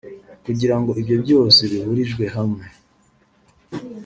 kugira ngo ibyo byose bihurijwe hamwe